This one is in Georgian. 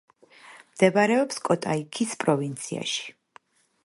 მდებარეობს კოტაიქის პროვინციაში.